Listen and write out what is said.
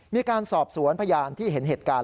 มีการสอบสวนพยานที่เห็นเหตุการณ์